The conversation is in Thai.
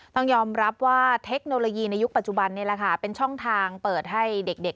ต้องยอมรับว่าเทคโนโลยีในยุคปัจจุบันนี้แหละค่ะเป็นช่องทางเปิดให้เด็ก